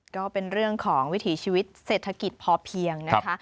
ก็เป็นเรื่องของวิถีชีวิตเศรษฐกิจพอเพียงนะคะ